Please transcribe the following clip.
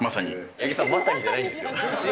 八木さん、まさにじゃないんですよ。